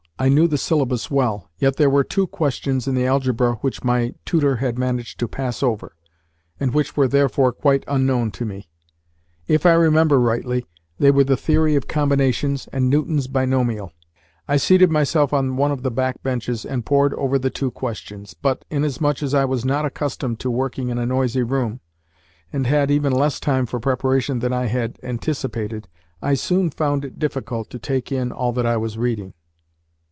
I knew the syllabus well, yet there were two questions in the algebra which my tutor had managed to pass over, and which were therefore quite unknown to me. If I remember rightly, they were the Theory of Combinations and Newton's Binomial. I seated myself on one of the back benches and pored over the two questions, but, inasmuch as I was not accustomed to working in a noisy room, and had even less time for preparation than I had anticipated, I soon found it difficult to take in all that I was reading.